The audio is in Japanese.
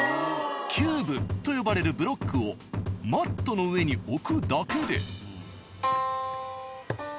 キューブと呼ばれるブロックをマットの上に置くだけで。